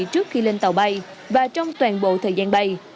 trước khi lên tàu bay và trong toàn bộ thời gian bay